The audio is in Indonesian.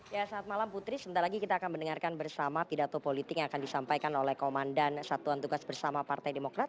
ya saat malam putri sebentar lagi kita akan mendengarkan bersama pidato politik yang akan disampaikan oleh komandan satuan tugas bersama partai demokrat